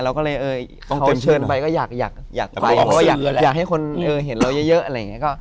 เราก็เลยพอเชิญไปก็อยากไปเพราะว่าอยากให้คนเห็นเราเยอะอะไรอย่างนี้